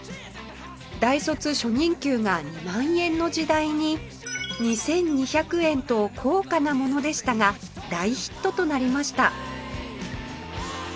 大卒初任給が２万円の時代に２２００円と高価なものでしたが大ヒットとなりました